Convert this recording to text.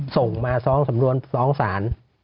ส่งมาฟ้องสำนวนฟ้องศาล